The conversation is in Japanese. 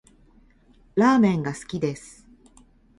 ラーメンが好きです